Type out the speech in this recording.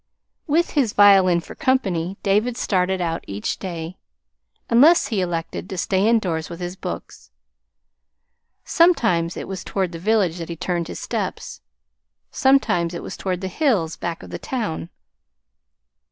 With his violin for company David started out each day, unless he elected to stay indoors with his books. Sometimes it was toward the village that he turned his steps; sometimes it was toward the hills back of the town.